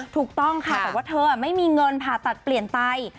ถูกต้องค่ะแต่ว่าเธอไม่มีเงินผ่าตัดเปลี่ยนไต